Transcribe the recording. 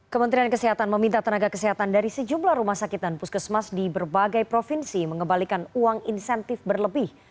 kementerian kesehatan meminta tenaga kesehatan dari sejumlah rumah sakit dan puskesmas di berbagai provinsi mengembalikan uang insentif berlebih